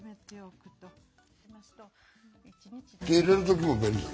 入れる時も便利だ。